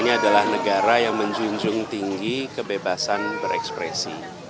ini adalah negara yang menjunjung tinggi kebebasan berekspresi